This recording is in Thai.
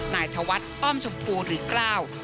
นายธวัฒน์อ้อมชมพูหรือกล้าว